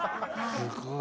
すごい！